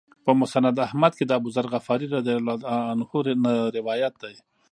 په مسند احمد کې د أبوذر غفاري رضی الله عنه نه روایت دی.